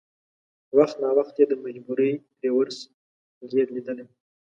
وخت ناوخت یې د مجبورۍ رېورس ګیر لېدلی.